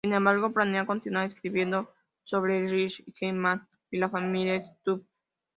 Sin embargo planea continuar escribiendo sobre Rickey y G-man y la familia Stubbs.